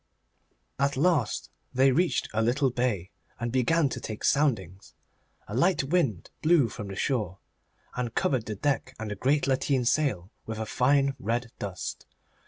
At last they reached a little bay, and began to take soundings. A light wind blew from the shore, and covered the deck and the great lateen sail with a fine red dust.